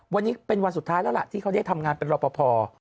วันนี้เป็นวันสุดท้ายแล้วล่ะที่เขาได้ทำงานเป็นรอปภ